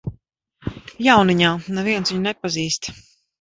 Jauniņā, neviens viņu nepazīst.